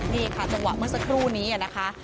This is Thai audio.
นี่ค่ะจังหวะเมื่อสักครู่นี้นะคะ